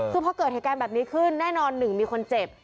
คือพอเกิดเหตุการณ์แบบนี้ขึ้นแน่นอนหนึ่งมีคนเจ็บ